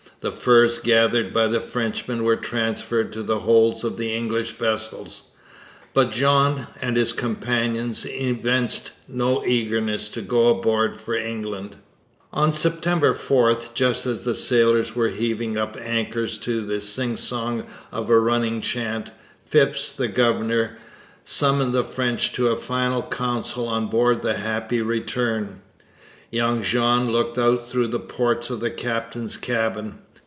The furs gathered by the Frenchmen were transferred to the holds of the English vessels, but Jean and his companions evinced no eagerness to go aboard for England. On September 4, just as the sailors were heaving up anchors to the sing song of a running chant, Phipps, the governor, summoned the French to a final council on board the Happy Return. Young Jean looked out through the ports of the captain's cabin.